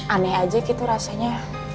aneh aja gitu rasanya